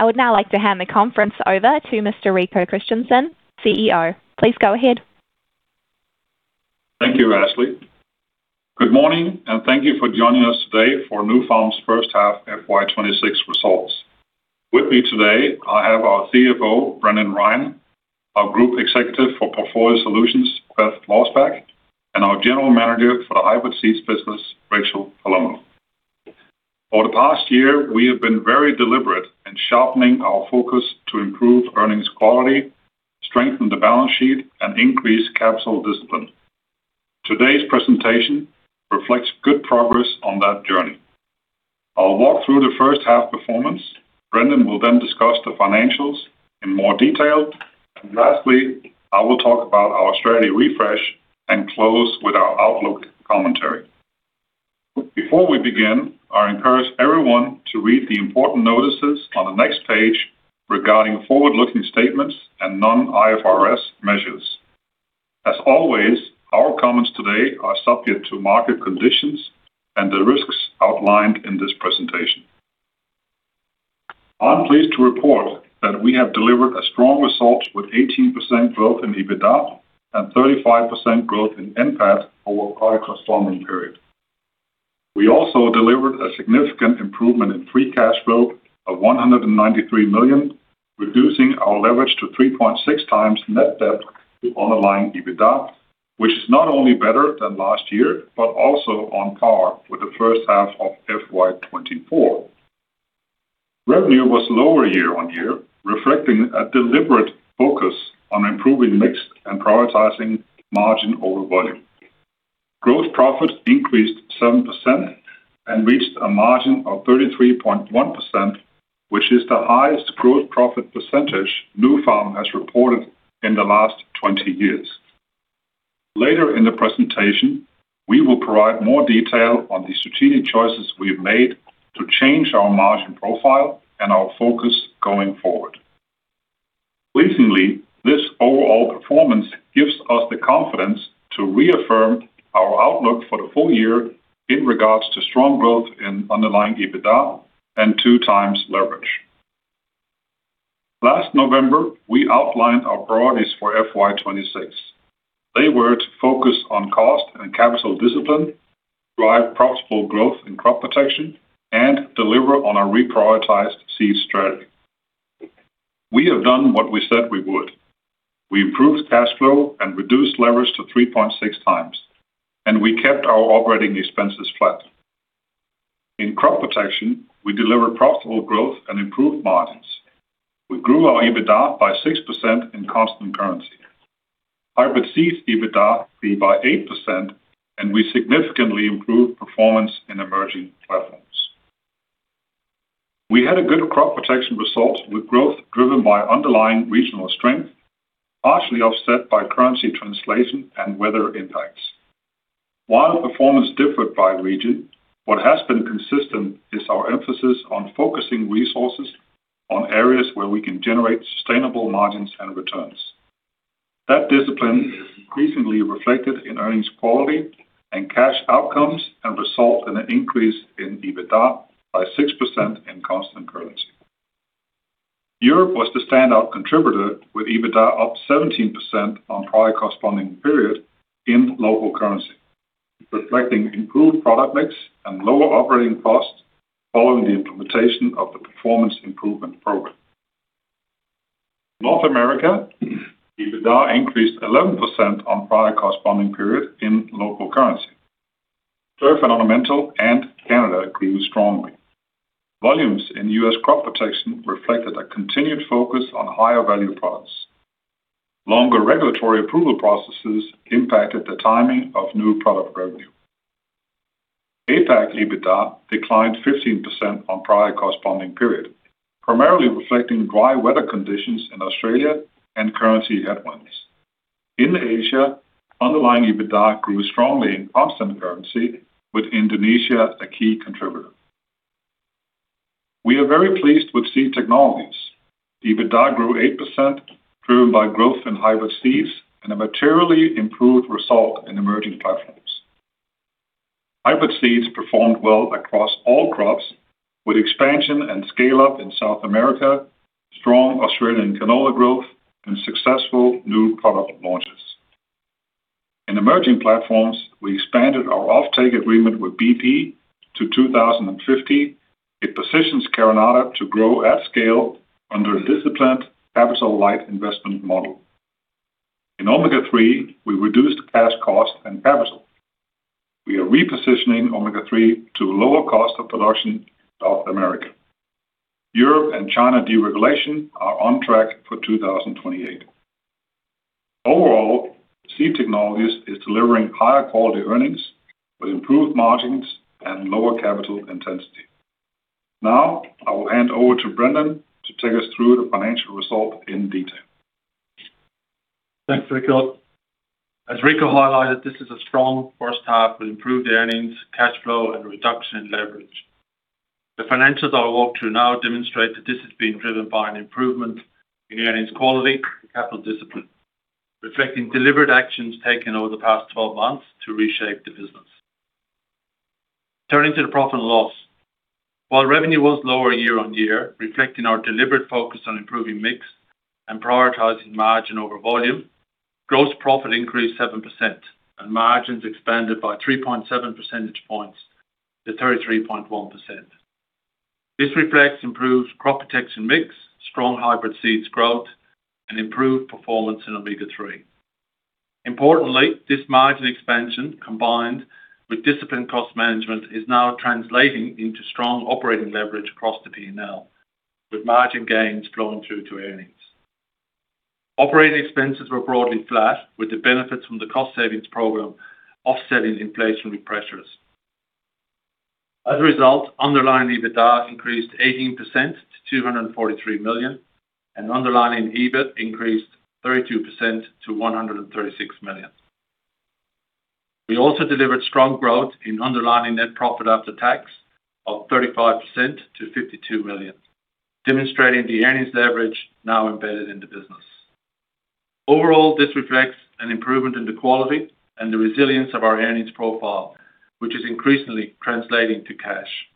I would now like to hand the conference over to Mr. Rico Christensen, CEO. Please go ahead. Thank you, Ashley. Good morning, and thank you for joining us today for Nufarm's first half FY 2026 results. With me today, I have our CFO, Brendan Ryan, our Group Executive for Portfolio Solutions, Beth Lorsbach, and our General Manager for the Hybrid Seeds business, Rachel Palumbo. Over the past year, we have been very deliberate in sharpening our focus to improve earnings quality, strengthen the balance sheet, and increase capital discipline. Today's presentation reflects good progress on that journey. I'll walk through the first half performance. Brendan will then discuss the financials in more detail. Lastly, I will talk about our strategy refresh and close with our outlook commentary. Before we begin, I encourage everyone to read the important notices on the next page regarding forward-looking statements and non-IFRS measures. As always, our comments today are subject to market conditions and the risks outlined in this presentation. I'm pleased to report that we have delivered a strong result with 18% growth in EBITDA and 35% growth in NPAT over prior corresponding period. We also delivered a significant improvement in free cash flow of 193 million, reducing our leverage to 3.6x net debt to underlying EBITDA, which is not only better than last year, but also on par with the first half of FY 2024. Revenue was lower year-on-year, reflecting a deliberate focus on improving mix and prioritizing margin over volume. Gross profit increased 7% and reached a margin of 33.1%, which is the highest gross profit percentage Nufarm has reported in the last 20 years. Later in the presentation, we will provide more detail on the strategic choices we have made to change our margin profile and our focus going forward. Recently, this overall performance gives us the confidence to reaffirm our outlook for the full year in regards to strong growth in underlying EBITDA and two times leverage. Last November, we outlined our priorities for FY 2026. They were to focus on cost and capital discipline, drive profitable growth in crop protection, and deliver on our reprioritized seed strategy. We have done what we said we would. We improved cash flow and reduced leverage to 3.6x, and we kept our operating expenses flat. In crop protection, we delivered profitable growth and improved margins. We grew our EBITDA by 6% in constant currency. Hybrid Seeds EBITDA grew by 8%, and we significantly improved performance in Emerging Platforms. We had a good crop protection result with growth driven by underlying regional strength, partially offset by currency translation and weather impacts. While performance differed by region, what has been consistent is our emphasis on focusing resources on areas where we can generate sustainable margins and returns. That discipline is increasingly reflected in earnings quality and cash outcomes and result in an increase in EBITDA by 6% in constant currency. Europe was the standout contributor, with EBITDA up 17% on prior corresponding period in local currency, reflecting improved product mix and lower operating costs following the implementation of the performance improvement program. North America EBITDA increased 11% on prior corresponding period in local currency. Turf and ornamental and Canada grew strongly. Volumes in U.S. crop protection reflected a continued focus on higher value products. Longer regulatory approval processes impacted the timing of new product revenue. APAC EBITDA declined 15% on prior corresponding period, primarily reflecting dry weather conditions in Australia and currency headwinds. In Asia, underlying EBITDA grew strongly in constant currency, with Indonesia a key contributor. We are very pleased with Seed Technologies. The EBITDA grew 8%, driven by growth in Hybrid Seeds and a materially improved result in Emerging Platforms. Hybrid Seeds performed well across all crops, with expansion and scale-up in South America, strong Australian canola growth, and successful new product launches. In Emerging Platforms, we expanded our offtake agreement with BP to 2050. It positions Carinata to grow at scale under a disciplined capital-light investment model. In Omega-3, we reduced cash cost and capital. We are repositioning Omega-3 to lower cost of production in South America. Europe and China deregulation are on track for 2028. Overall, Seed Technologies is delivering higher quality earnings with improved margins and lower capital intensity. Now, I will hand over to Brendan to take us through the financial result in detail. Thanks, Rico. As Rico highlighted, this is a strong first half with improved earnings, cash flow, and reduction in leverage. The financials I'll walk through now demonstrate that this has been driven by an improvement in earnings quality and capital discipline, reflecting deliberate actions taken over the past 12 months to reshape the business. Turning to the profit and loss. While revenue was lower year-on-year, reflecting our deliberate focus on improving mix and prioritizing margin over volume, gross profit increased 7%, and margins expanded by 3.7 percentage points to 33.1%. This reflects improved crop protection mix, strong Hybrid Seeds growth, and improved performance in Omega-3. Importantly, this margin expansion, combined with disciplined cost management, is now translating into strong operating leverage across the P&L, with margin gains flowing through to earnings. Operating expenses were broadly flat, with the benefits from the cost savings program offsetting inflationary pressures. As a result, underlying EBITDA increased 18% to 243 million, and underlying EBIT increased 32% to 136 million. We also delivered strong growth in underlying Net Profit After Tax of 35% to 52 million, demonstrating the earnings leverage now embedded in the business. Overall, this reflects an improvement in the quality and the resilience of our earnings profile, which is increasingly translating to cash.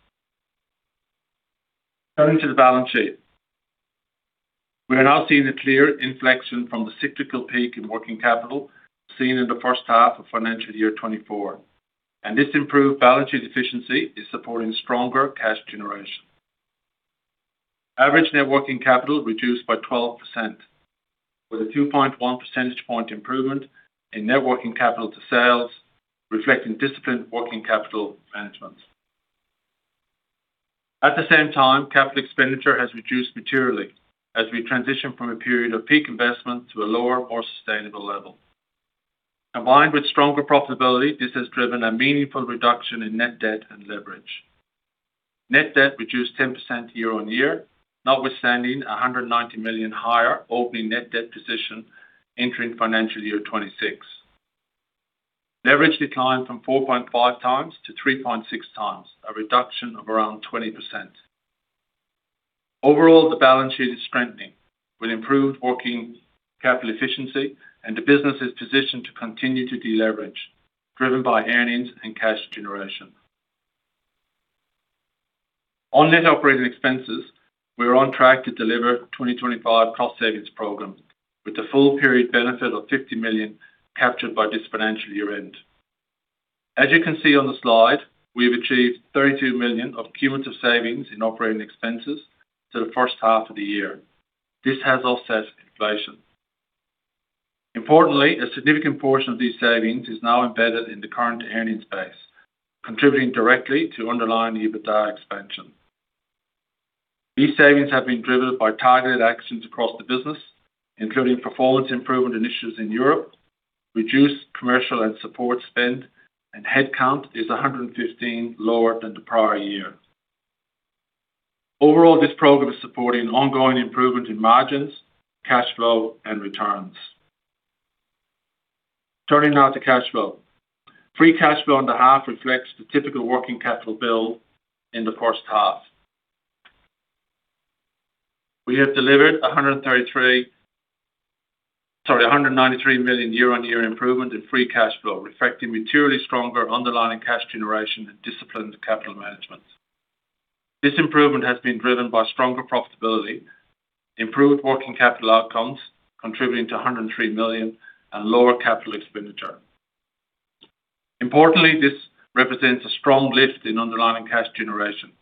Turning to the balance sheet. We are now seeing a clear inflection from the cyclical peak in working capital seen in the first half of FY 2024, and this improved balance sheet efficiency is supporting stronger cash generation. Average net working capital reduced by 12%, with a 2.1 percentage point improvement in net working capital to sales reflecting disciplined working capital management. At the same time, capital expenditure has reduced materially as we transition from a period of peak investment to a lower, more sustainable level. Combined with stronger profitability, this has driven a meaningful reduction in net debt and leverage. Net debt reduced 10% year-on-year, notwithstanding 190 million higher opening net debt position entering FY 2026. Leverage declined from 4.5x to 3.6x, a reduction of around 20%. Overall, the balance sheet is strengthening with improved working capital efficiency, and the business is positioned to continue to deleverage, driven by earnings and cash generation. On net operating expenses, we are on track to deliver 2025 cost savings program, with the full period benefit of 50 million captured by this financial year-end. As you can see on the slide, we have achieved 32 million of cumulative savings in operating expenses to the first half of the year. This has offset inflation. Importantly, a significant portion of these savings is now embedded in the current earnings base, contributing directly to underlying EBITDA expansion. These savings have been driven by targeted actions across the business, including performance improvement initiatives in Europe, reduced commercial and support spend, and headcount is 115 lower than the prior year. Overall, this program is supporting ongoing improvement in margins, cash flow, and returns. Turning now to cash flow. Free cash flow in the half reflects the typical working capital build in the first half. We have delivered 193 million year-on-year improvement in free cash flow, reflecting materially stronger underlying cash generation and disciplined capital management. This improvement has been driven by stronger profitability, improved working capital outcomes contributing to 103 million, and lower capital expenditure. Importantly, this represents a strong lift in underlying cash generation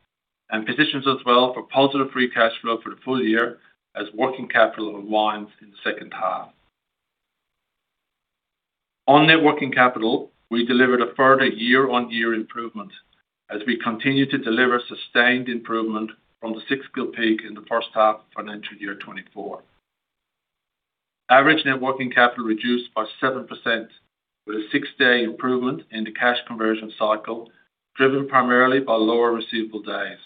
and positions us well for positive free cash flow for the full year as working capital unwinds in the second half. On net working capital, we delivered a further year-on-year improvement as we continue to deliver sustained improvement from the cyclical peak in the first half of FY 2024. Average net working capital reduced by 7%, with a six-day improvement in the cash conversion cycle driven primarily by lower receivable days,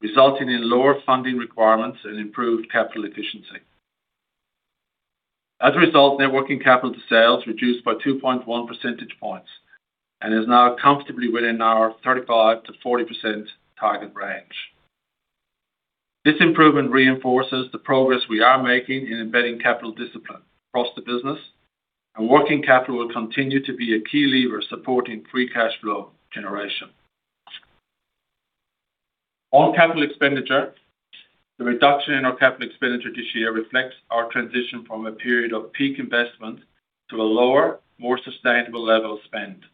resulting in lower funding requirements and improved capital efficiency. As a result, net working capital to sales reduced by 2.1 percentage points and is now comfortably within our 35%-40% target range. This improvement reinforces the progress we are making in embedding capital discipline across the business, and working capital will continue to be a key lever supporting free cash flow generation. On capital expenditure, the reduction in our capital expenditure this year reflects our transition from a period of peak investment to a lower, more sustainable level of spend.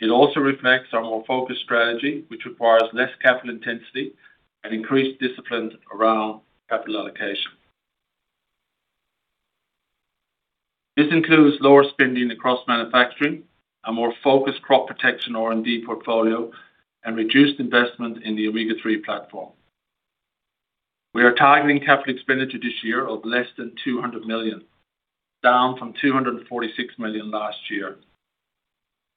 It also reflects our more focused strategy, which requires less capital intensity and increased discipline around capital allocation. This includes lower spending across manufacturing, a more focused crop protection R&D portfolio, and reduced investment in the Omega-3 Platform. We are targeting capital expenditure this year of less than 200 million, down from 246 million last year.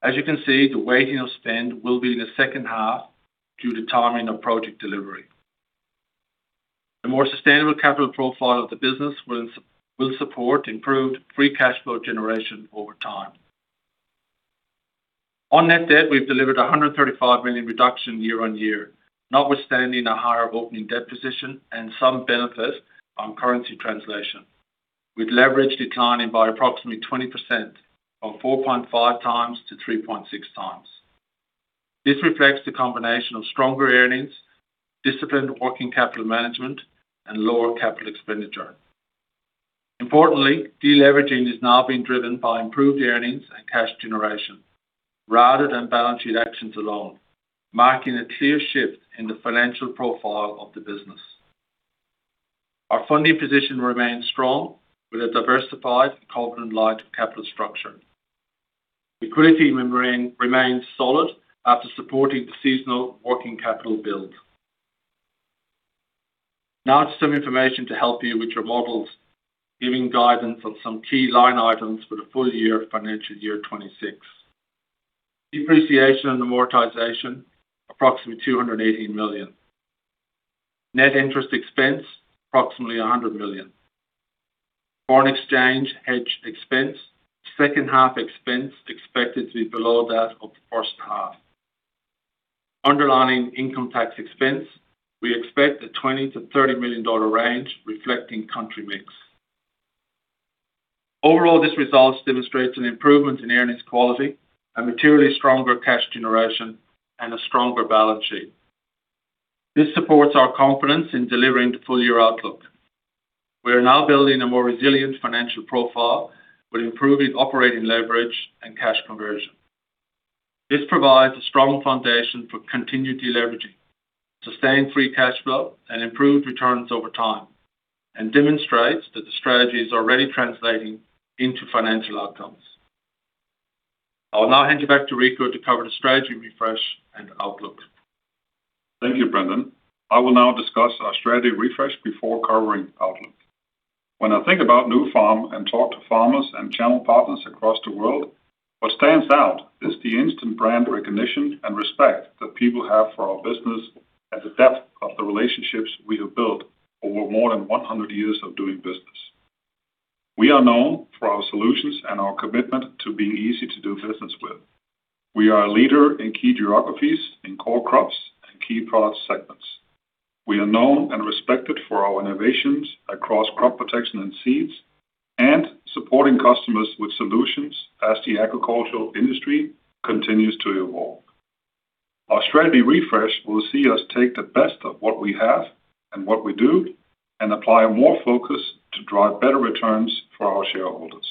As you can see, the weighting of spend will be in the second half due to timing of project delivery. The more sustainable capital profile of the business will support improved free cash flow generation over time. On net debt, we've delivered 135 million reduction year on year, notwithstanding a higher opening debt position and some benefit on currency translation. With leverage declining by approximately 20%, from 4.5x to 3.6x. This reflects the combination of stronger earnings, disciplined working capital management, and lower CapEx. Importantly, deleveraging is now being driven by improved earnings and cash generation rather than balance sheet actions alone, marking a clear shift in the financial profile of the business. Our funding position remains strong with a diversified covenant-light capital structure. Liquidity remains solid after supporting the seasonal working capital build. Now to some information to help you with your models, giving guidance on some key line items for the full year of FY 2026. Depreciation and Amortization, approximately 218 million. Net interest expense, approximately 100 million. Foreign exchange hedge expense, second half expense expected to be below that of the first half. Underlying income tax expense, we expect the 20 million-30 million dollar range reflecting country mix. Overall, this result demonstrates an improvement in earnings quality and materially stronger cash generation and a stronger balance sheet. This supports our confidence in delivering the full-year outlook. We are now building a more resilient financial profile with improving operating leverage and cash conversion. This provides a strong foundation for continued deleveraging, sustained free cash flow, and improved returns over time, and demonstrates that the strategy is already translating into financial outcomes. I will now hand you back to Rico to cover the strategy refresh and outlook. Thank you, Brendan. I will now discuss our strategy refresh before covering outlook. When I think about Nufarm and talk to farmers and channel partners across the world, what stands out is the instant brand recognition and respect that people have for our business and the depth of the relationships we have built over more than 100 years of doing business. We are known for our solutions and our commitment to being easy to do business with. We are a leader in key geographies in core crops and key product segments. We are known and respected for our innovations across crop protection and seeds, and supporting customers with solutions as the agricultural industry continues to evolve. Our strategy refresh will see us take the best of what we have and what we do, and apply more focus to drive better returns for our shareholders.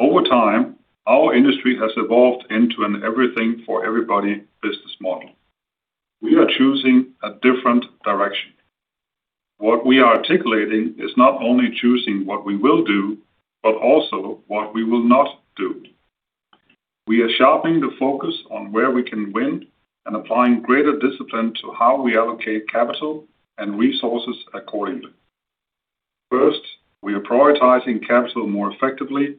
Over time, our industry has evolved into an everything for everybody business model. We are choosing a different direction. What we are articulating is not only choosing what we will do, but also what we will not do. We are sharpening the focus on where we can win and applying greater discipline to how we allocate capital and resources accordingly. First, we are prioritizing capital more effectively,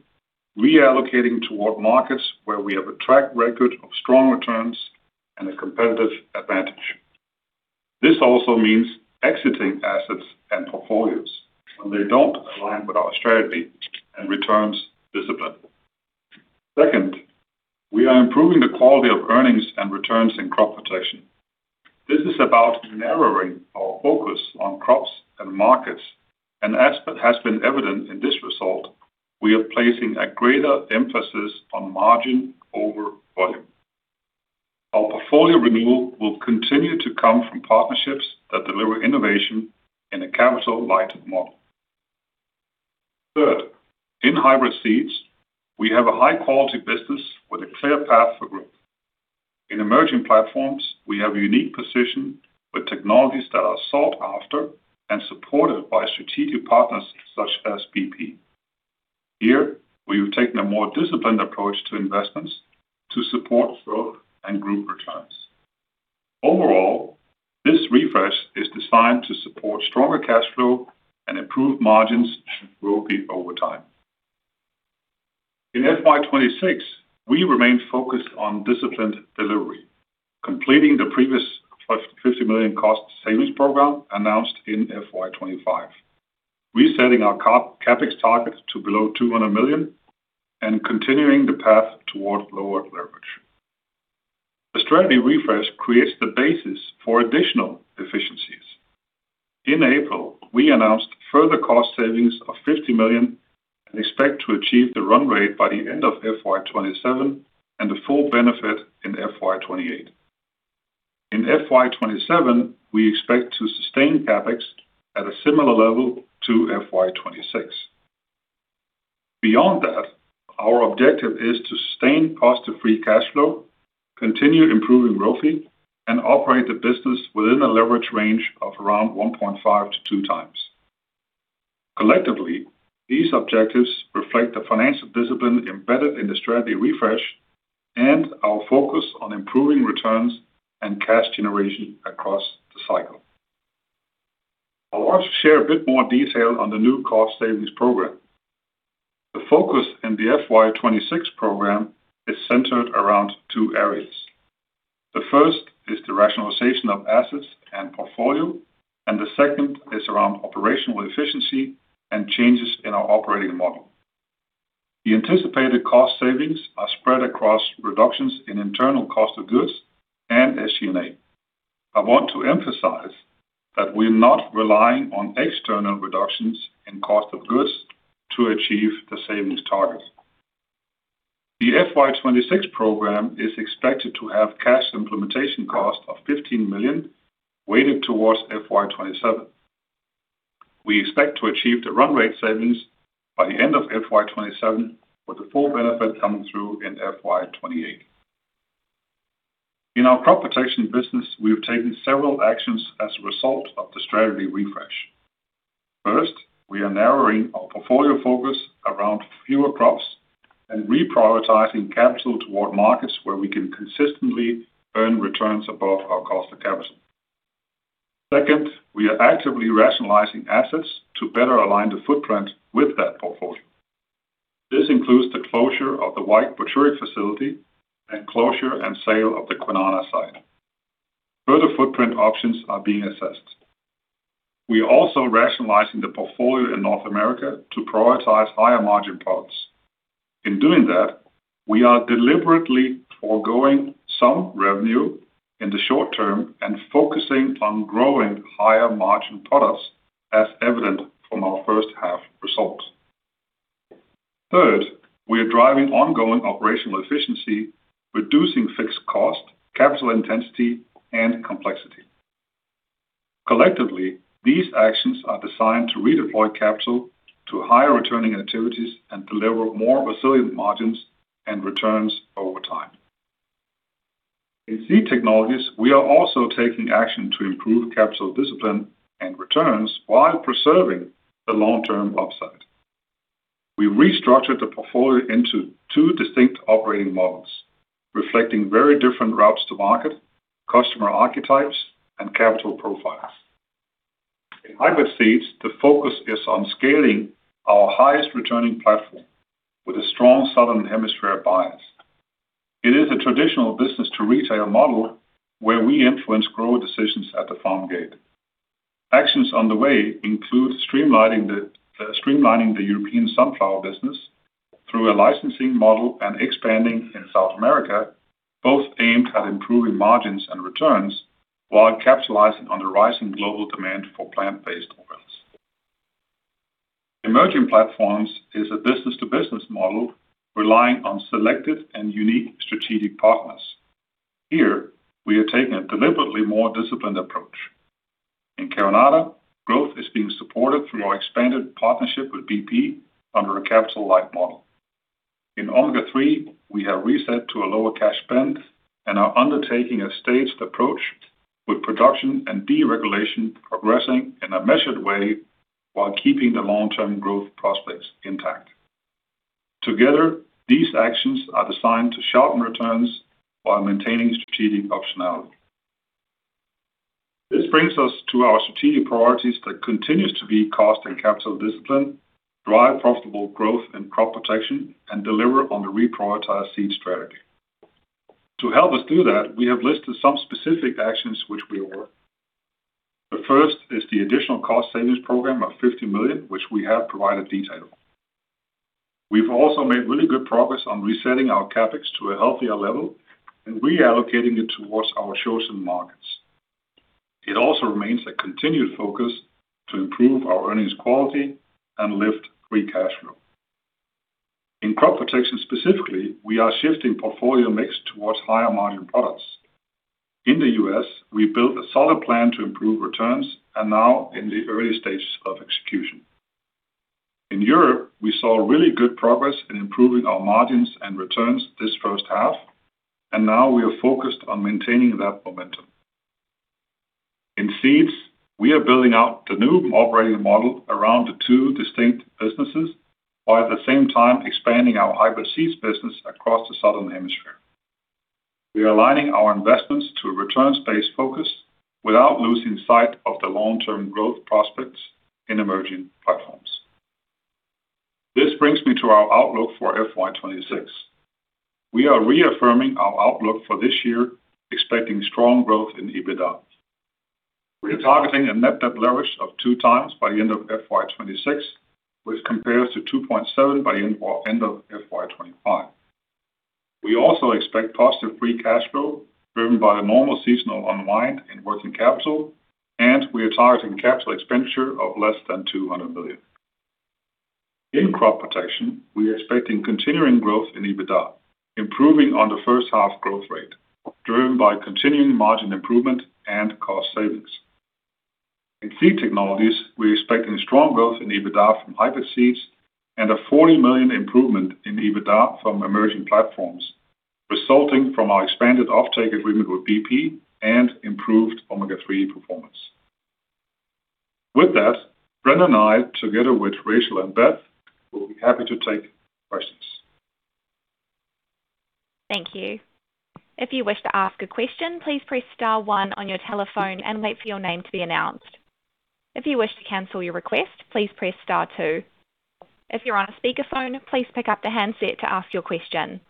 reallocating toward markets where we have a track record of strong returns and a competitive advantage. This also means exiting assets and portfolios when they don't align with our strategy and returns discipline. Second, we are improving the quality of earnings and returns in crop protection. This is about narrowing our focus on crops and markets, and as has been evident in this result, we are placing a greater emphasis on margin over volume. Our portfolio renewal will continue to come from partnerships that deliver innovation in a capital-light model. Third, in Hybrid Seeds, we have a high-quality business with a clear path for growth. In Emerging Platforms, we have a unique position with technologies that are sought after and supported by strategic partners such as BP. Here, we have taken a more disciplined approach to investments to support growth and group returns. Overall, this refresh is designed to support stronger cash flow and improved margins ROIC over time. In FY 2026, we remain focused on disciplined delivery, completing the previous 50 million cost savings program announced in FY 2025, resetting our CapEx target to below 200 million and continuing the path toward lower leverage. The strategy refresh creates the basis for additional efficiencies. In April, we announced further cost savings of 50 million and expect to achieve the run rate by the end of FY 2027 and the full benefit in FY 2028. In FY 2027, we expect to sustain CapEx at a similar level to FY 2026. Beyond that, our objective is to sustain positive free cash flow, continue improving ROIC, and operate the business within a leverage range of around 1.5x to 2x. Collectively, these objectives reflect the financial discipline embedded in the strategy refresh and our focus on improving returns and cash generation across the cycle. I want to share a bit more detail on the new cost savings program. The focus in the FY 2026 program is centered around two areas. The first is the rationalization of assets and portfolio, and the second is around operational efficiency and changes in our operating model. The anticipated cost savings are spread across reductions in internal cost of goods and SG&A. I want to emphasize that we're not relying on external reductions in cost of goods to achieve the savings target. The FY 2026 program is expected to have cash implementation cost of 15 million weighted towards FY 2027. We expect to achieve the run rate savings by the end of FY 2027, with the full benefit coming through in FY 2028. In our Crop Protection business, we have taken several actions as a result of the strategy refresh. First, we are narrowing our portfolio focus around fewer crops and reprioritizing capital toward markets where we can consistently earn returns above our cost of capital. Second, we are actively rationalizing assets to better align the footprint with that portfolio. This includes the closure of the Wyke manufacturing facility and closure and sale of the Kwinana site. Further footprint options are being assessed. We are also rationalizing the portfolio in North America to prioritize higher-margin products. In doing that, we are deliberately foregoing some revenue in the short term and focusing on growing higher-margin products, as evident from our first half results. Third, we are driving ongoing operational efficiency, reducing fixed cost, capital intensity, and complexity. Collectively, these actions are designed to redeploy capital to higher-returning activities and deliver more resilient margins and returns over time. In Seed Technologies, we are also taking action to improve capital discipline and returns while preserving the long-term upside. We restructured the portfolio into two distinct operating models, reflecting very different routes to market, customer archetypes, and capital profiles. In Hybrid Seeds, the focus is on scaling our highest returning platform with a strong Southern Hemisphere bias. It is a traditional business-to-retail model where we influence grower decisions at the farm gate. Actions underway include streamlining the European sunflower business through a licensing model and expanding in South America, both aimed at improving margins and returns while capitalizing on the rising global demand for plant-based oils. Emerging Platforms is a business-to-business model relying on selected and unique strategic partners. Here, we are taking a deliberately more disciplined approach. In Carinata, growth is being supported through our expanded partnership with BP under a capital-light model. In Omega-3, we have reset to a lower cash spend and are undertaking a staged approach with production and deregulation progressing in a measured way while keeping the long-term growth prospects intact. Together, these actions are designed to sharpen returns while maintaining strategic optionality. This brings us to our strategic priorities that continues to be cost and capital discipline, drive profitable growth in Crop Protection, and deliver on the reprioritized seeds strategy. To help us do that, we have listed some specific actions which we are on. The first is the additional cost savings program of 50 million, which we have provided detail. We've also made really good progress on resetting our CapEx to a healthier level and reallocating it towards our chosen markets. It also remains a continued focus to improve our earnings quality and lift free cash flow. In Crop Protection specifically, we are shifting portfolio mix towards higher-margin products. In the U.S., we built a solid plan to improve returns and now in the early stages of execution. In Europe, we saw really good progress in improving our margins and returns this first half, and now we are focused on maintaining that momentum. In Seeds, we are building out the new operating model around the two distinct businesses while at the same time expanding our Hybrid Seeds business across the Southern Hemisphere. We are aligning our investments to a return-based focus without losing sight of the long-term growth prospects in Emerging Platforms. This brings me to our outlook for FY 2026. We are reaffirming our outlook for this year, expecting strong growth in EBITDA. We are targeting a net debt leverage of 2x by the end of FY 2026, which compares to 2.7x by end of FY 2025. We also expect positive free cash flow driven by a normal seasonal unwind in working capital, and we are targeting capital expenditure of less than 200 million. In Crop Protection, we are expecting continuing growth in EBITDA, improving on the first half growth rate driven by continuing margin improvement and cost savings. In Seed Technologies, we are expecting strong growth in EBITDA from Hybrid Seeds and an 40 million improvement in EBITDA from Emerging Platforms, resulting from our expanded offtake agreement with BP and improved Omega-3 performance. With that, Bren and I, together with Rachel and Beth, will be happy to take questions. Thank you. If you wish to ask a question, please press star one on your telephone and wait for your name to be announced. If you wish to cancel your request, please press star two. If you are on a speakerphone, please pick up the handset to ask your question.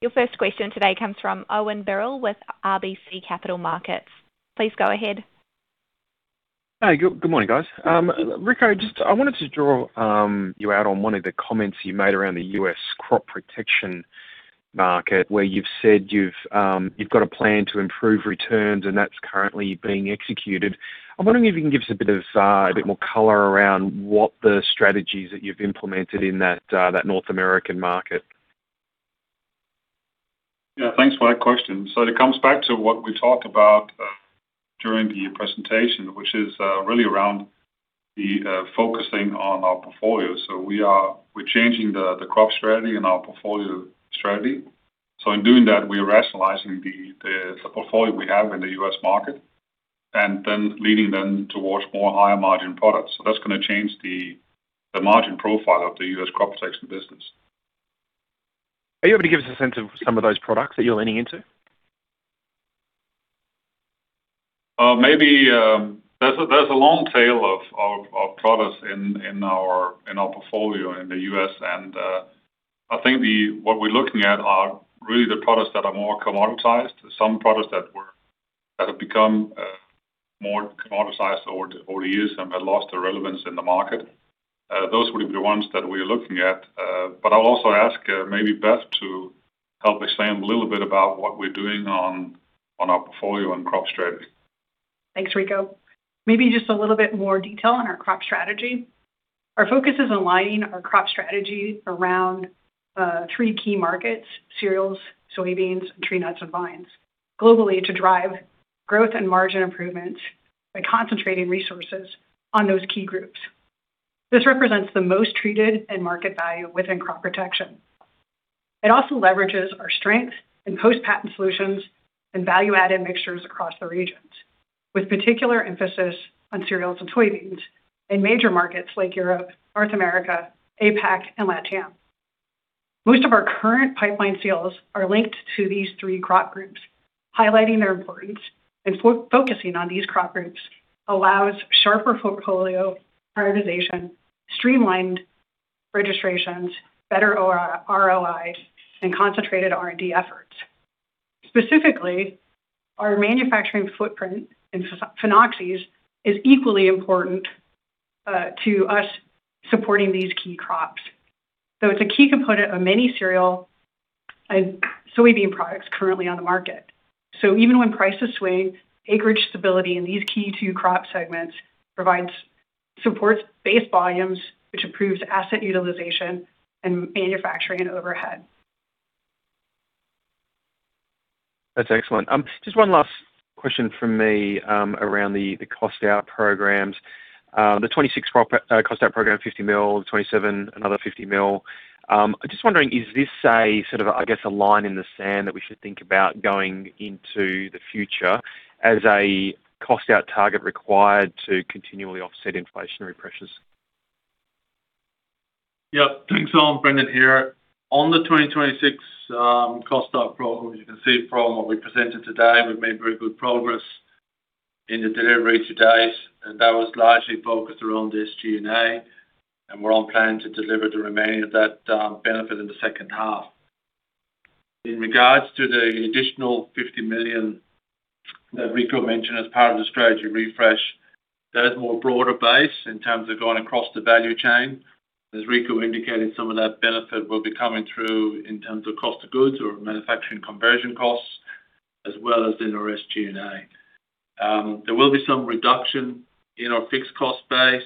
Your first question today comes from Owen Birrell with RBC Capital Markets. Please go ahead. Hey, good morning, guys. Rico, I wanted to draw you out on one of the comments you made around the U.S. crop protection market, where you've said you've got a plan to improve returns, and that's currently being executed. I'm wondering if you can give us a bit more color around what the strategies that you've implemented in that North American market? Yeah, thanks for that question. It comes back to what we talked about during the presentation, which is really around focusing on our portfolio. We're changing the crop strategy and our portfolio strategy. In doing that, we are rationalizing the portfolio we have in the U.S. market and leaning towards more higher margin products. That's going to change the margin profile of the U.S. crop protection business. Are you able to give us a sense of some of those products that you're leaning into? There's a long tail of products in our portfolio in the U.S., I think what we're looking at are really the products that are more commoditized. Some products that have become more commoditized over the years and have lost their relevance in the market. Those would be the ones that we're looking at. I'll also ask maybe Beth to help expand a little bit about what we're doing on our portfolio and crop strategy. Thanks, Rico. Maybe just a little bit more detail on our crop strategy. Our focus is aligning our crop strategy around three key markets: cereals, soybeans, and tree nuts and vines, globally to drive growth and margin improvements by concentrating resources on those key groups. This represents the most treated end market value within crop protection. It also leverages our strength in post-patent solutions and value-added mixtures across the regions, with particular emphasis on cereals and soybeans in major markets like Europe, North America, APAC and LATAM. Most of our current pipeline sales are linked to these three crop groups, highlighting their importance, and focusing on these crop groups allows sharper portfolio prioritization, streamlined registrations, better ROIs, and concentrated R&D efforts. Specifically, our manufacturing footprint in phenoxies is equally important to us supporting these key crops. It's a key component of many cereal and soybean products currently on the market. Even when prices sway, acreage stability in these key two crop segments supports base volumes, which improves asset utilization and manufacturing and overhead. That's excellent. Just one last question from me around the cost out programs. The FY 2026 cost out program, 50 million. The FY 2027, another 50 million. I'm just wondering, is this a line in the sand that we should think about going into the future as a cost out target required to continually offset inflationary pressures? Yep. Thanks. Brendan here. On the 2026 cost out program, as you can see from what we presented today, we've made very good progress in the delivery to date. That was largely focused around SG&A, and we're on plan to deliver the remaining of that benefit in the second half. In regards to the additional 50 million that Rico mentioned as part of the strategy refresh, that is more broader base in terms of going across the value chain. As Rico indicated, some of that benefit will be coming through in terms of cost of goods or manufacturing conversion costs, as well as in our SG&A. There will be some reduction in our fixed cost base.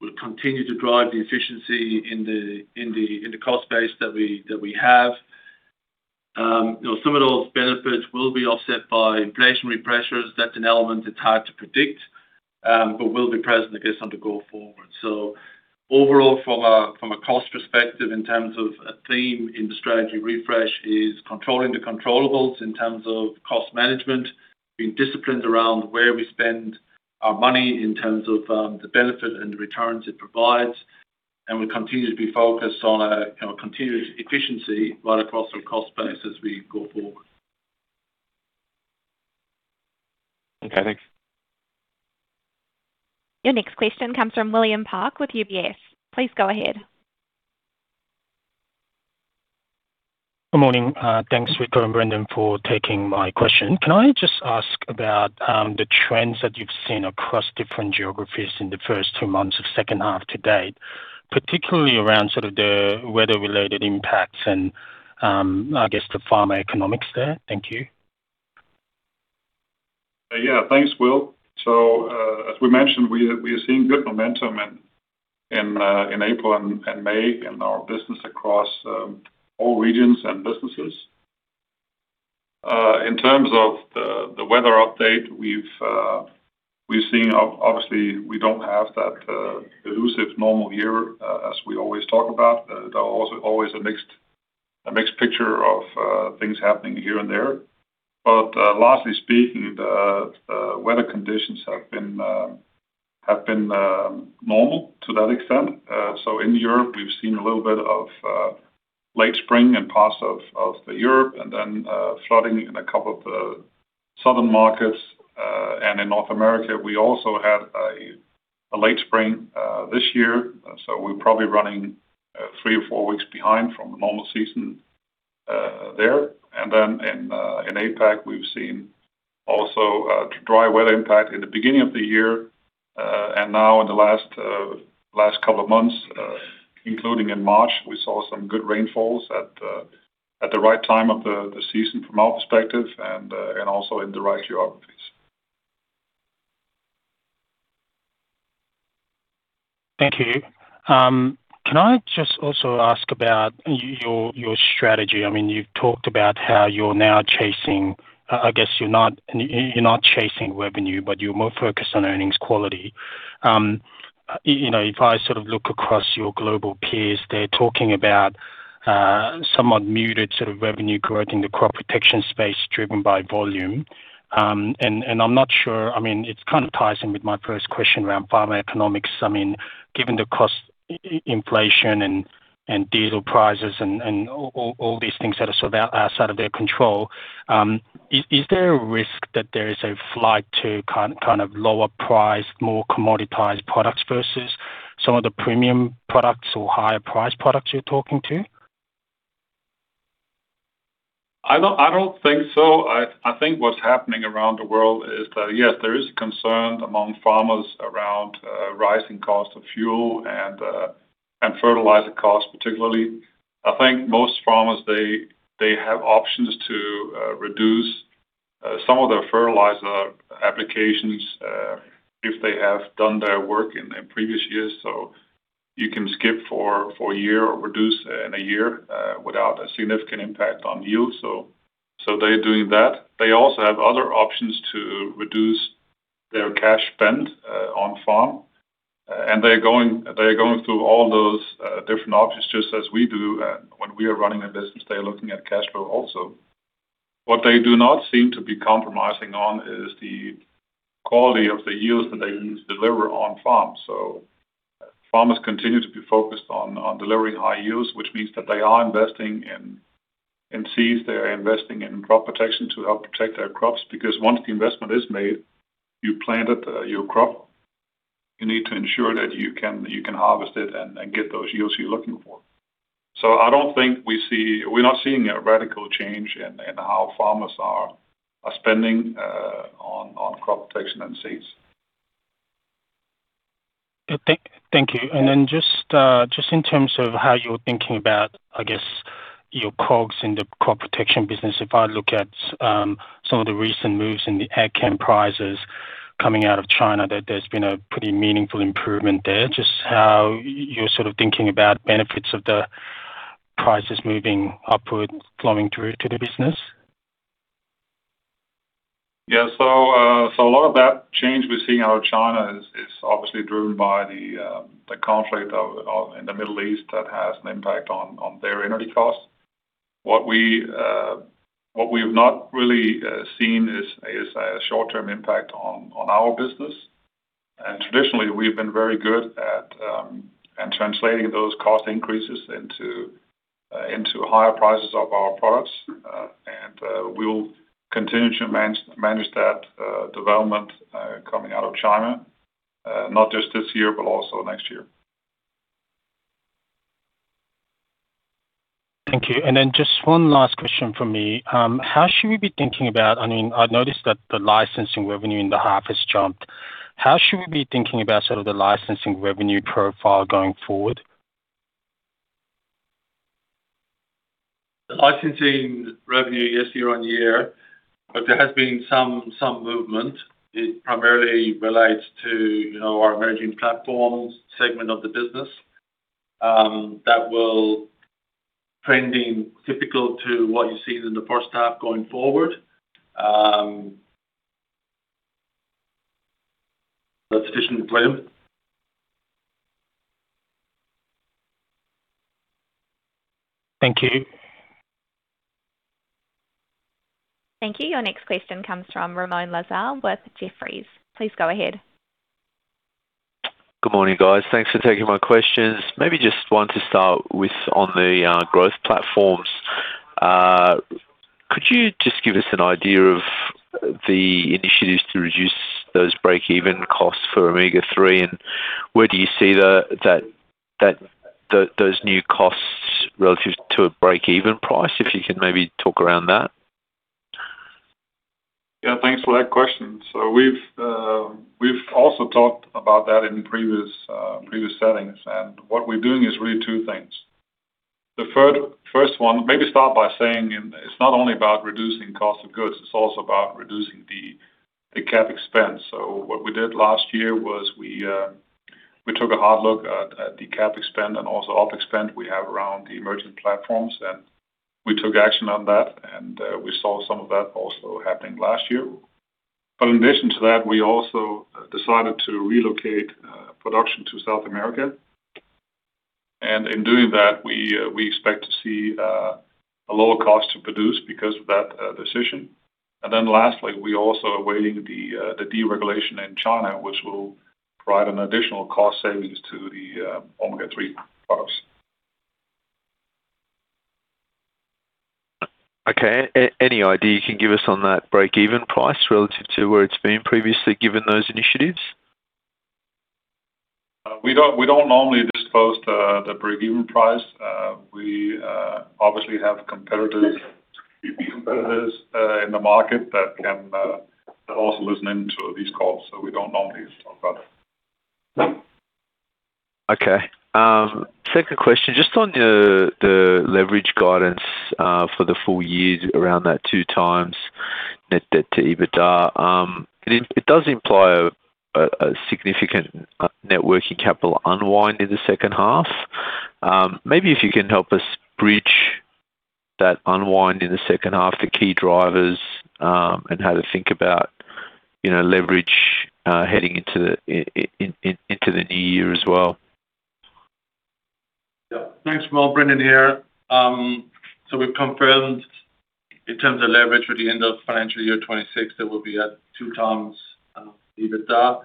We'll continue to drive the efficiency in the cost base that we have. Some of those benefits will be offset by inflationary pressures. That's an element that's hard to predict, but will be present, I guess, on the go forward. Overall, from a cost perspective in terms of a theme in the strategy refresh is controlling the controllables in terms of cost management, being disciplined around where we spend our money in terms of the benefit and the returns it provides, and we continue to be focused on our continuous efficiency right across our cost base as we go forward. Okay, thanks. Your next question comes from William Park with UBS. Please go ahead. Good morning. Thanks, Rico and Brendan, for taking my question. Can I just ask about the trends that you've seen across different geographies in the first two months of second half to date, particularly around sort of the weather-related impacts and, I guess the farm economics there? Thank you. Thanks, Will. As we mentioned, we are seeing good momentum in April and May in our business across all regions and businesses. In terms of the weather update, obviously we don't have that elusive normal year as we always talk about. There are always a mixed picture of things happening here and there. Largely speaking, the weather conditions have been normal to that extent. In Europe, we've seen a little bit of late spring in parts of Europe and then flooding in a couple of southern markets. In North America, we also had a late spring this year. We're probably running three or four weeks behind from a normal season there. In APAC, we've seen also dry weather impact in the beginning of the year. Now in the last couple of months, including in March, we saw some good rainfalls at the right time of the season from our perspective and also in the right geographies. Thank you. Can I just also ask about your strategy? You've talked about how you're now chasing I guess you're not chasing revenue, but you're more focused on earnings quality. If I look across your global peers, they're talking about somewhat muted revenue growth in the crop protection space, driven by volume. I'm not sure, it's kind of ties in with my first question around farm economics. Given the cost inflation and diesel prices and all these things that are outside of their control, is there a risk that there is a flight to lower price, more commoditized products versus some of the premium products or higher priced products you're talking to? I don't think so. I think what's happening around the world is that, yes, there is a concern among farmers around rising cost of fuel and fertilizer costs, particularly. I think most farmers, they have options to reduce some of their fertilizer applications, if they have done their work in their previous years. You can skip for a year or reduce in a year, without a significant impact on yield. They're doing that. They also have other options to reduce their cash spend on farm. They're going through all those different options, just as we do when we are running a business. They're looking at cash flow also. What they do not seem to be compromising on is the quality of the yields that they deliver on farm. Farmers continue to be focused on delivering high yields, which means that they are investing in seeds. They are investing in crop protection to help protect their crops, because once the investment is made, you planted your crop, you need to ensure that you can harvest it and get those yields you're looking for. I don't think we're not seeing a radical change in how farmers are spending on crop protection and seeds. Thank you. Just in terms of how you're thinking about, I guess, your COGS in the crop protection business, if I look at some of the recent moves in the ag chem prices coming out of China, that there's been a pretty meaningful improvement there. Just how you're thinking about benefits of the prices moving upward, flowing through to the business? Yeah. A lot of that change we're seeing out of China is obviously driven by the conflict in the Middle East that has an impact on their energy costs. What we've not really seen is a short-term impact on our business. Traditionally, we've been very good at translating those cost increases into higher prices of our products. We'll continue to manage that development coming out of China, not just this year, but also next year. Thank you. Just one last question from me. I've noticed that the licensing revenue in the half has jumped. How should we be thinking about the licensing revenue profile going forward? Licensing revenue is year-on-year, there has been some movement. It primarily relates to our Emerging Platforms segment of the business. That will trending typical to what you see in the first half going forward. That's additionally planned. Thank you. Thank you. Your next question comes from Ramoun Lazar with Jefferies. Please go ahead. Good morning, guys. Thanks for taking my questions. Maybe just want to start with on the growth platforms. Could you just give us an idea of the initiatives to reduce those break-even costs for Omega-3, and where do you see those new costs relative to a break-even price? If you can maybe talk around that. Yeah, thanks for that question. We've also talked about that in previous settings, and what we're doing is really two things. The first one, maybe start by saying it's not only about reducing cost of goods, it's also about reducing the CapEx. What we did last year was we took a hard look at the CapEx spend and also OpEx spend we have around the Emerging Platforms, and we took action on that, and we saw some of that also happening last year. In addition to that, we also decided to relocate production to South America. In doing that, we expect to see a lower cost to produce because of that decision. Lastly, we also are awaiting the deregulation in China, which will provide an additional cost savings to the Omega-3 products. Okay. Any idea you can give us on that break-even price relative to where it's been previously given those initiatives? We don't normally disclose the breakeven price. We obviously have competitors in the market that are also listening to these calls, so we don't normally talk about it. Okay. Second question, just on the leverage guidance for the full year around that two times net debt to EBITDA. It does imply a significant net working capital unwind in the second half. Maybe if you can help us bridge that unwind in the second half, the key drivers, and how to think about leverage heading into the new year as well. Yeah. Thanks. Brendan here. We've confirmed in terms of leverage for the end of financial year 2026, that we'll be at 2x EBITDA.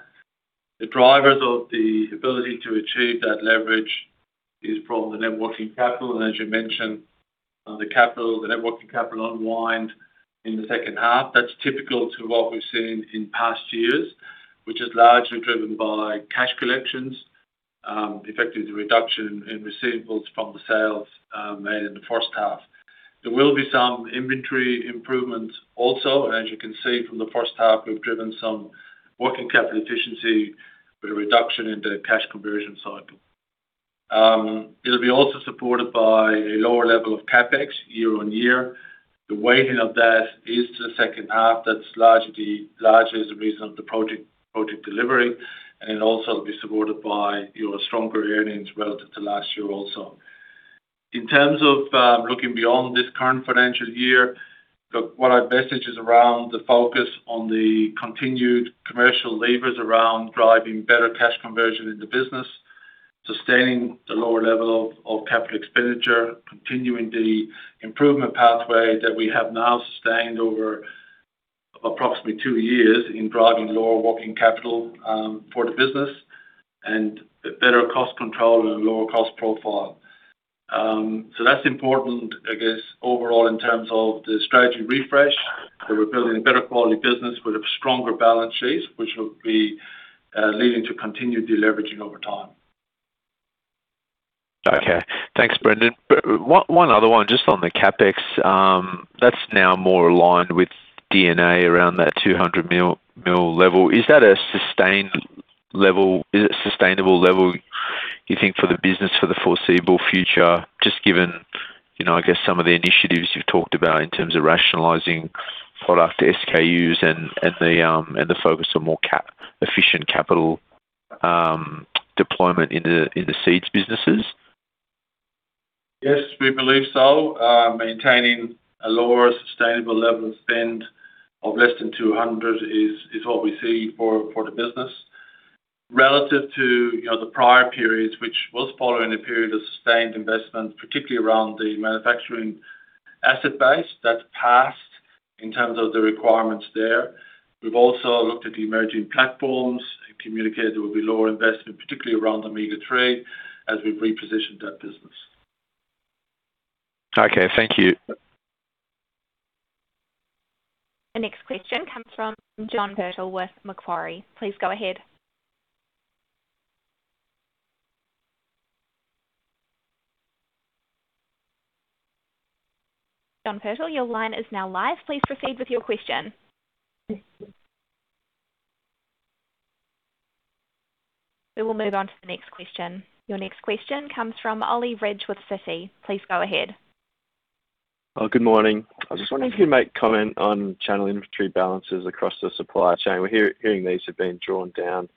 The drivers of the ability to achieve that leverage is from the net working capital, and as you mentioned, the working capital unwind in the second half. That's typical to what we've seen in past years, which is largely driven by cash collections, effectively the reduction in receivables from the sales made in the first half. There will be some inventory improvements also. As you can see from the first half, we've driven some working capital efficiency with a reduction in the cash conversion cycle. It'll be also supported by a lower level of CapEx year-on-year. The weighting of that is to the second half. That's largely as a result of the project delivery, and it'll also be supported by your stronger earnings relative to last year also. In terms of looking beyond this current financial year, look, what our message is around the focus on the continued commercial levers around driving better cash conversion in the business, sustaining the lower level of capital expenditure, continuing the improvement pathway that we have now sustained over approximately two years in driving lower working capital for the business, and better cost control and lower cost profile. That's important, I guess, overall in terms of the strategy refresh. We're building a better quality business with a stronger balance sheet, which will be leading to continued deleveraging over time. Okay. Thanks, Brendan. One other one just on the CapEx. That's now more aligned with D&A around that 200 million level. Is that a sustainable level, you think, for the business for the foreseeable future, just given, I guess, some of the initiatives you've talked about in terms of rationalizing product SKUs and the focus on more efficient capital deployment in the seeds businesses? Yes, we believe so. Maintaining a lower sustainable level of spend of less than 200 is what we see for the business. Relative to the prior periods, which was following a period of sustained investment, particularly around the manufacturing asset base, that's passed in terms of the requirements there. We've also looked at the Emerging Platforms and communicated there will be lower investment, particularly around Omega-3, as we've repositioned that business. Okay, thank you. The next question comes from John Purtell with Macquarie. Please go ahead. John Purtell your line now live please proceed with your question. Let's move on to the next question. Your next question comes from Oliver Reg with Citi. Please go ahead. Good morning. I was just wondering if you might comment on channel inventory balances across the supply chain. We're hearing these have been drawn down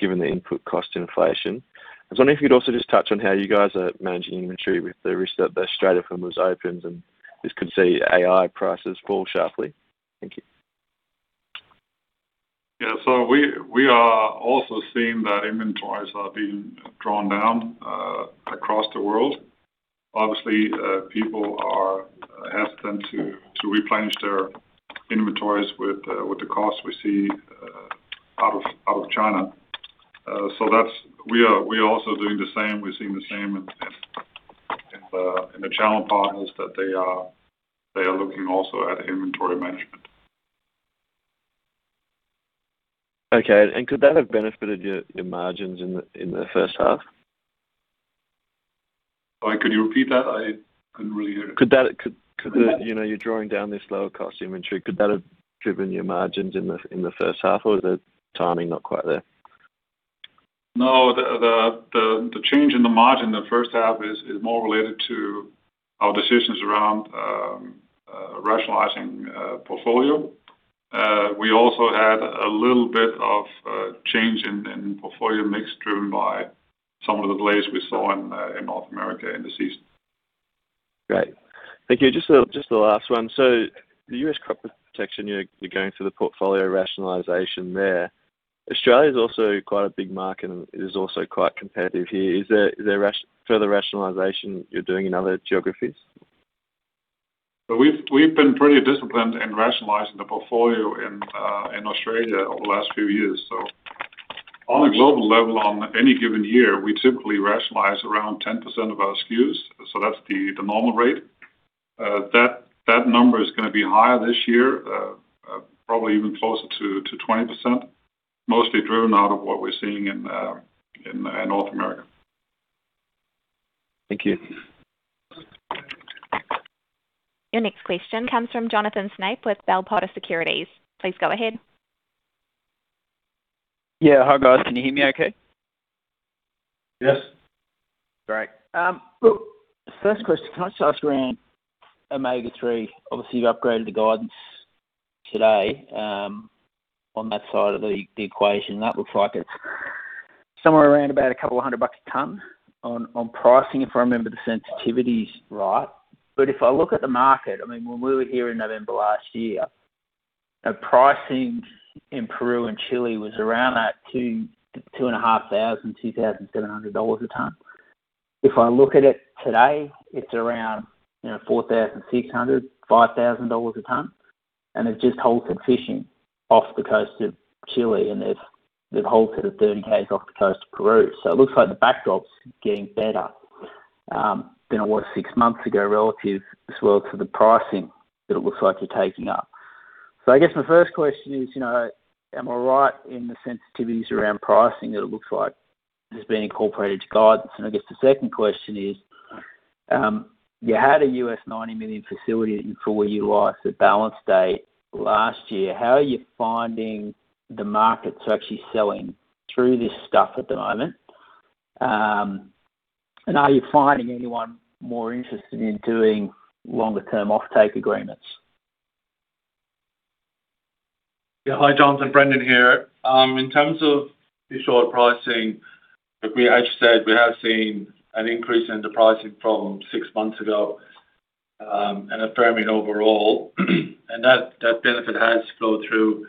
given the input cost inflation. I was wondering if you'd also just touch on how you guys are managing inventory with the risk that the tariff floor was opened and this could see AI prices fall sharply. Thank you. We are also seeing that inventories are being drawn down across the world. Obviously, people are hesitant to replenish their inventories with the cost we see out of China. We're also doing the same. We're seeing the same in the channel partners that they are looking also at inventory management. Okay. Could that have benefited your margins in the first half? Sorry, could you repeat that? I couldn't really hear it. You're drawing down this lower cost inventory. Could that have driven your margins in the first half, or is the timing not quite there? The change in the margin in the first half is more related to our decisions around rationalizing portfolio. We also had a little bit of change in portfolio mix driven by some of the delays we saw in North America in the season. Great. Thank you. Just the last one. The U.S. crop protection, you're going through the portfolio rationalization there. Australia's also quite a big market, and it is also quite competitive here. Is there further rationalization you're doing in other geographies? We've been pretty disciplined in rationalizing the portfolio in Australia over the last few years. On a global level, on any given year, we typically rationalize around 10% of our SKUs. That's the normal rate. That number is going to be higher this year. Probably even closer to 20%, mostly driven out of what we are seeing in North America. Thank you. Your next question comes from Jonathan Snape with Bell Potter Securities. Please go ahead. Yeah. Hi, guys. Can you hear me okay? Yes. Great. Look, first question, can I just ask around Omega-3? Obviously, you've upgraded the guidance today on that side of the equation. That looks like it's somewhere around about a couple hundred bucks a ton on pricing, if I remember the sensitivities right. If I look at the market, when we were here in November last year, pricing in Peru and Chile was around that $2,000-$2,500, $2,700 a ton. If I look at it today, it's around $4,600, $5,000 a ton, there's just whole ton fishing off the coast of Chile, there's a whole ton of anchovies off the coast of Peru. It looks like the backdrop's getting better than it was six months ago relative as well to the pricing that it looks like you're taking up. I guess my first question is, am I right in the sensitivities around pricing that it looks like has been incorporated to guidance? I guess the second question is, you had a $90 million facility that you fully utilized at balance date last year. How are you finding the markets are actually selling through this stuff at the moment? Are you finding anyone more interested in doing longer-term off-take agreements? Yeah. Hi, Jonathan. Brendan here. In terms of the short pricing, as you said, we have seen an increase in the pricing from six months ago, and a firming overall. That benefit has flowed through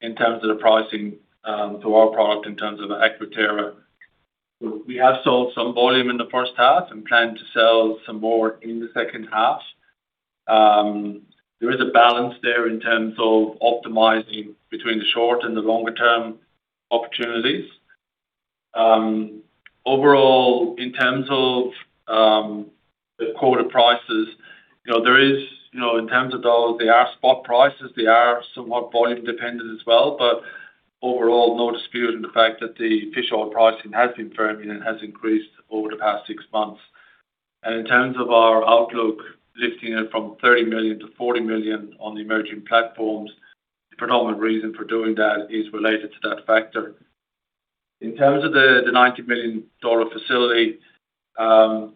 in terms of the pricing for our product in terms of Aquaterra. We have sold some volume in the first half and plan to sell some more in the second half. There is a balance there in terms of optimizing between the short and the longer-term opportunities. Overall, in terms of the quarter prices, in terms of AUD, they are spot prices. They are somewhat volume dependent as well. Overall, no dispute in the fact that the fish oil pricing has been firming and has increased over the past six months. In terms of our outlook lifting it from 30 million-40 million on the Emerging Platforms, the predominant reason for doing that is related to that factor. In terms of the $90 million facility,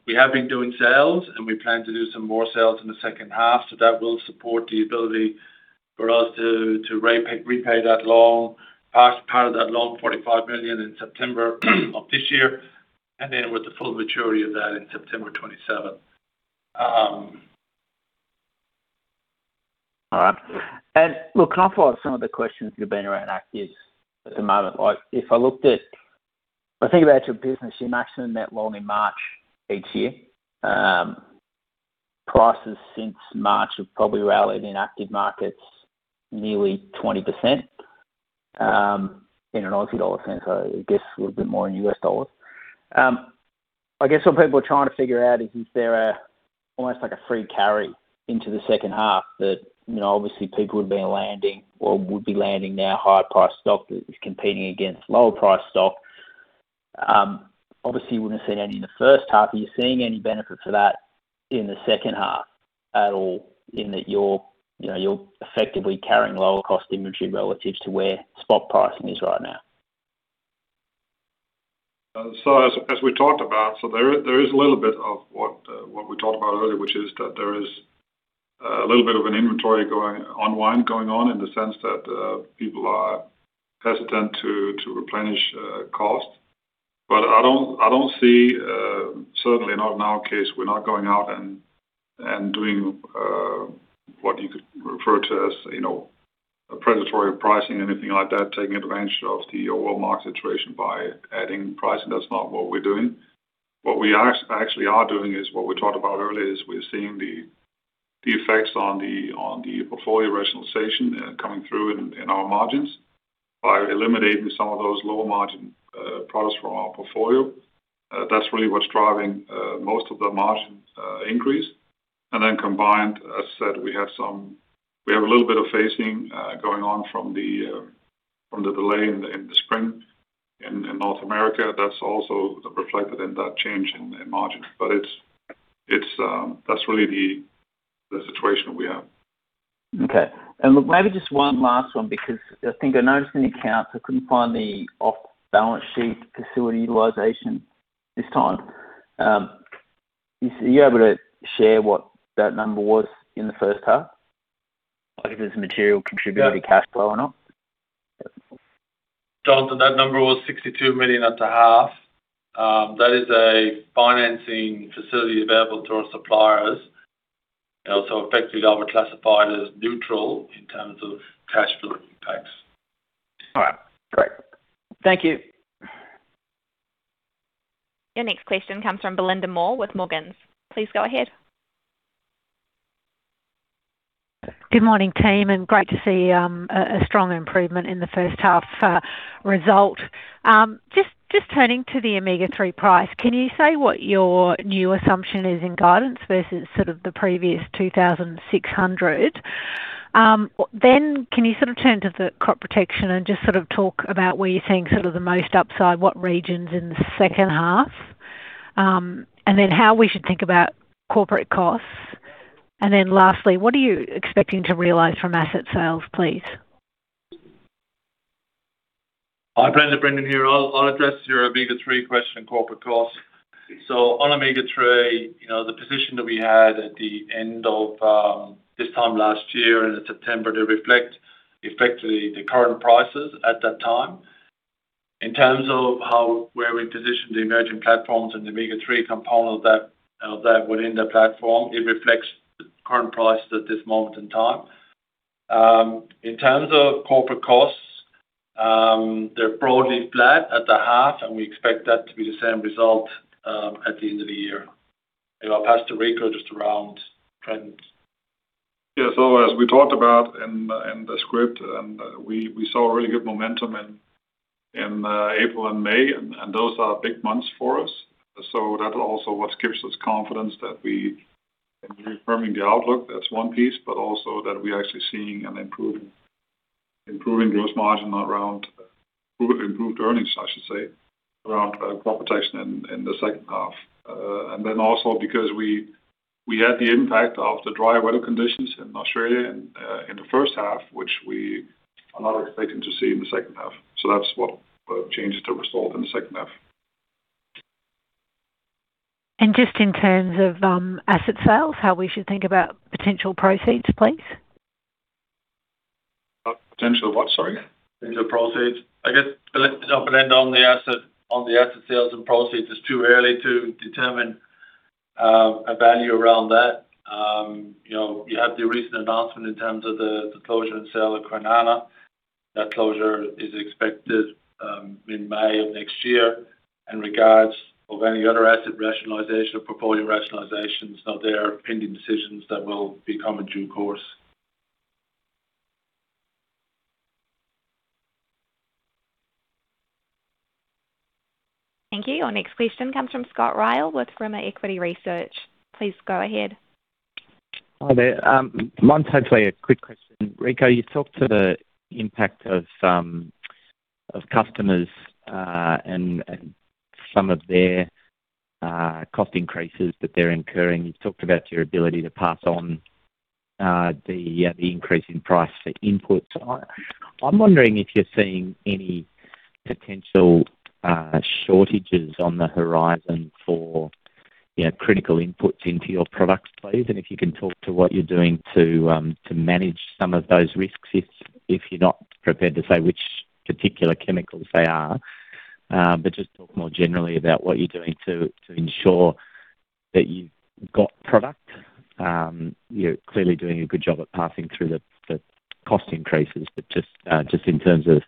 we have been doing sales, and we plan to do some more sales in the second half. That will support the ability for us to repay that loan, part of that loan, $45 million in September of this year, and then with the full maturity of that in September 2027. All right. Look, can I follow up some of the questions you've been around actives at the moment? If I think about your business, you maximum that loan in March each year. Prices since March have probably rallied in active markets nearly 20%, in an AUD sense, so I guess a little bit more in USD. I guess what people are trying to figure out is if there a almost like a free carry into the second half that, obviously people would have been landing or would be landing now higher priced stock that is competing against lower priced stock. Obviously, you wouldn't have seen any in the first half. Are you seeing any benefit for that in the second half at all, in that you're effectively carrying lower cost inventory relative to where spot pricing is right now? As we talked about, there is a little bit of what we talked about earlier, which is that there is a little bit of an inventory unwind going on in the sense that people are hesitant to replenish cost. I don't see, certainly not in our case, we're not going out and doing what you could refer to as a predatory pricing, anything like that, taking advantage of the oil market situation by adding pricing. That's not what we're doing. What we actually are doing is what we talked about earlier, is we're seeing the effects on the portfolio rationalization coming through in our margins by eliminating some of those lower margin products from our portfolio. That's really what's driving most of the margin increase. Combined, as I said, we have a little bit of phasing going on from the delay in the spring in North America. That's also reflected in that change in margin. That's really the situation we have. Okay. Look, maybe just one last one, because I think I noticed in the accounts, I couldn't find the off-balance sheet facility utilization this time. Are you able to share what that number was in the first half, like if it's a material contributor? Yeah to cash flow or not? Jonathan, that number was 62 million at the half. That is a financing facility available to our suppliers. Also effectively, I would classify it as neutral in terms of cash flow impacts. All right, great. Thank you. Your next question comes from Belinda Moore with Morgans. Please go ahead. Good morning, team, and great to see a strong improvement in the first half result. Just turning to the Omega-3 price, can you say what your new assumption is in guidance versus the previous 2,600? Can you sort of turn to the crop protection and just sort of talk about where you think sort of the most upside, what regions in the second half? How we should think about corporate costs. Lastly, what are you expecting to realize from asset sales, please? Hi, Belinda. Brendan here. I'll address your Omega-3 question, corporate costs. On Omega-3, the position that we had at the end of this time last year, in September, to reflect effectively the current prices at that time. In terms of where we position the Emerging Platforms and the Omega-3 component of that within the platform, it reflects the current prices at this moment in time. In terms of corporate costs, they're broadly flat at the half, and we expect that to be the same result at the end of the year. I'll pass to Rico just around trends. As we talked about in the script, and we saw really good momentum in April and May, and those are big months for us. That also what gives us confidence that we can be reaffirming the outlook. That's one piece, also that we are actually seeing an improving gross margin around improved earnings, I should say, around crop protection in the second half. Also because we had the impact of the dry weather conditions in Australia in the first half, which we are not expecting to see in the second half. That's what changes the result in the second half. Just in terms of asset sales, how we should think about potential proceeds? Potential what, sorry? Potential proceeds. I guess let's jump ahead on the asset sales and proceeds. It's too early to determine a value around that. You have the recent announcement in terms of the closure and sale of Kwinana. That closure is expected in May of next year. In regards of any other asset rationalization or proposed rationalizations, they are pending decisions that will become a due course. Thank you. Our next question comes from Scott Ryall with Rimor Equity Research. Please go ahead. Hi there. Mine's hopefully a quick question. Rico, you talked to the impact of customers and some of their cost increases that they're incurring. You talked about your ability to pass on the increase in price for inputs. I'm wondering if you're seeing any potential shortages on the horizon for critical inputs into your products, please, and if you can talk to what you're doing to manage some of those risks, if you're not prepared to say which particular chemicals they are. Just talk more generally about what you're doing to ensure that you've got product. You're clearly doing a good job at passing through the cost increases, but just in terms of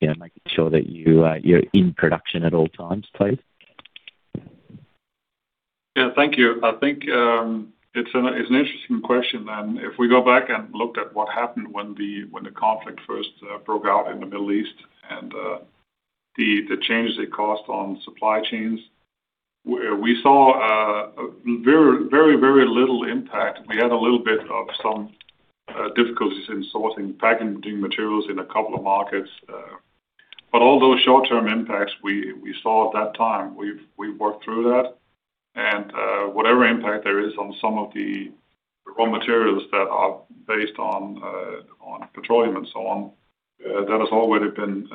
making sure that you're in production at all times, please. Yeah. Thank you. I think it's an interesting question. If we go back and looked at what happened when the conflict first broke out in the Middle East and the change they caused on supply chains, we saw very little impact. We had a little bit of some difficulties in sourcing packaging materials in a couple of markets. All those short-term impacts we saw at that time, we've worked through that. Whatever impact there is on some of the raw materials that are based on petroleum and so on, that has already been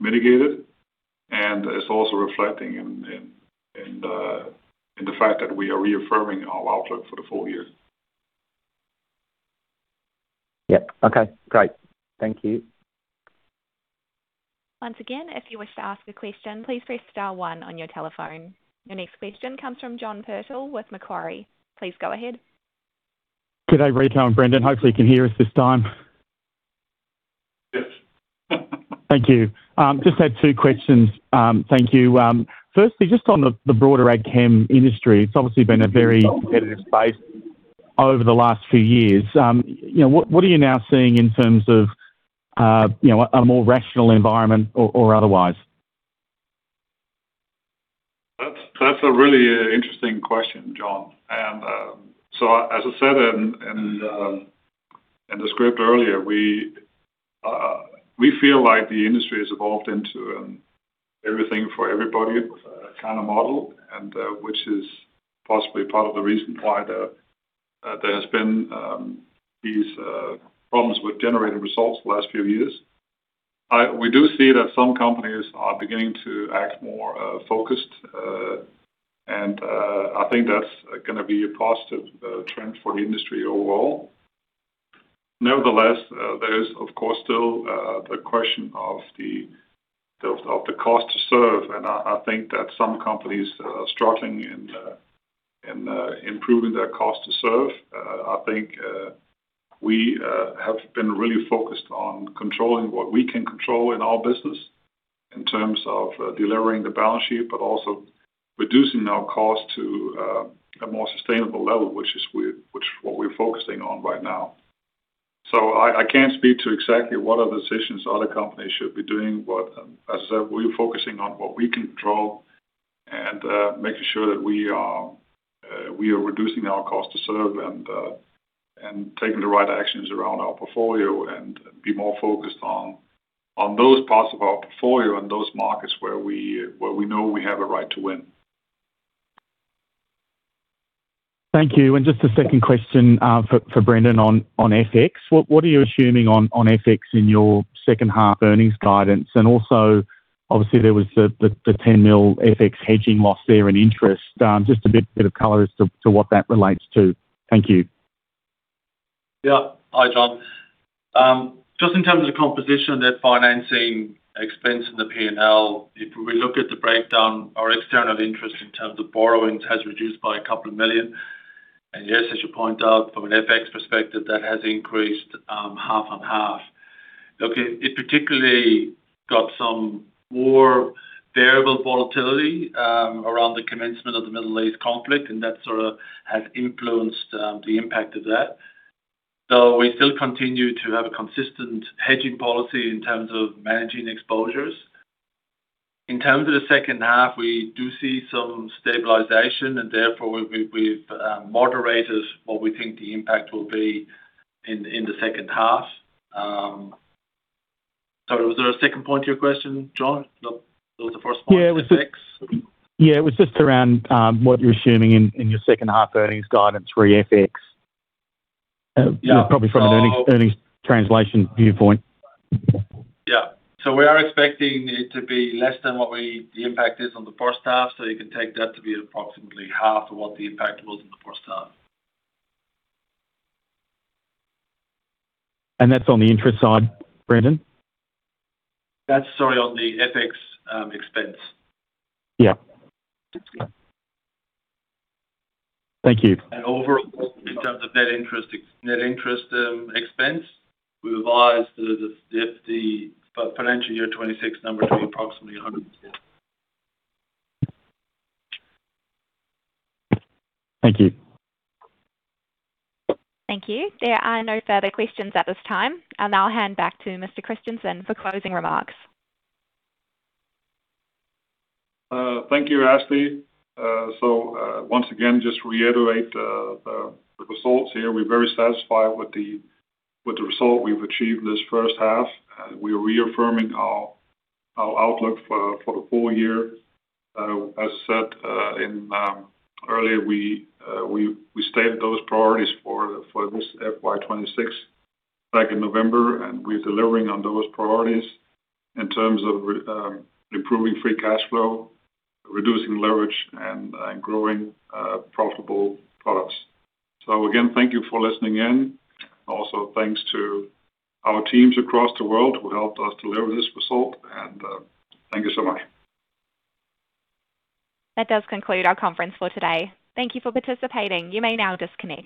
mitigated, and it's also reflecting in the fact that we are reaffirming our outlook for the full year. Yeah. Okay, great. Thank you. Once again, if you wish to ask a question, please press star one on your telephone. Your next question comes from John Purtell with Macquarie. Please go ahead. Good day, Rico and Brendan. Hopefully you can hear us this time. Yes. Thank you. Just had two questions. Thank you. Firstly, just on the broader ag chem industry, it is obviously been a very competitive space over the last few years. What are you now seeing in terms of a more rational environment or otherwise? That's a really interesting question, John. As I said in the script earlier, we feel like the industry has evolved into an everything for everybody kind of model, and which is possibly part of the reason why there has been these problems with generating results the last few years. We do see that some companies are beginning to act more focused, and I think that's going to be a positive trend for the industry overall. Nevertheless, there is of course still the question of the cost to serve, and I think that some companies are struggling in improving their cost to serve. I think we have been really focused on controlling what we can control in our business in terms of delivering the balance sheet, but also reducing our cost to a more sustainable level, which is what we're focusing on right now. I can't speak to exactly what are the decisions other companies should be doing, but as I said, we're focusing on what we control and making sure that we are reducing our cost to serve and taking the right actions around our portfolio and be more focused on those parts of our portfolio and those markets where we know we have a right to win. Thank you. Just a second question for Brendan on FX. What are you assuming on FX in your second half earnings guidance? Also, obviously there was the 10 million FX hedging loss there in interest. Just a bit of color as to what that relates to. Thank you. Yeah. Hi, John. Just in terms of the composition of net financing expense in the P&L, if we look at the breakdown, our external interest in terms of borrowings has reduced by 2 million. Yes, as you point out, from an FX perspective, that has increased half on half. Look, it particularly got some more variable volatility around the commencement of the Middle East conflict, and that has influenced the impact of that. We still continue to have a consistent hedging policy in terms of managing exposures. In terms of the second half, we do see some stabilization, and therefore we've moderated what we think the impact will be in the second half. Sorry, was there a second point to your question, John? No. That was the first point, FX. Yeah, it was just around what you're assuming in your second half earnings guidance re FX. Yeah. Probably from an earnings translation viewpoint. Yeah. We are expecting it to be less than what the impact is on the first half, so you can take that to be approximately half of what the impact was in the first half. That's on the interest side, Brendan? That's sorry, on the FX expense. Yeah. Thank you. Overall, in terms of net interest expense, we revised the FY 2026 number to be approximately 100. Thank you. Thank you. There are no further questions at this time. I'll now hand back to Mr. Christensen for closing remarks. Thank you, Ashley. Once again, just reiterate the results here. We're very satisfied with the result we've achieved this first half. We're reaffirming our outlook for the full year. As said earlier, we stayed those priorities for this FY 2026 back in November, and we're delivering on those priorities in terms of improving free cash flow, reducing leverage and growing profitable products. Again, thank you for listening in. Also, thanks to our teams across the world who helped us deliver this result, and thank you so much. That does conclude our conference for today. Thank you for participating. You may now disconnect.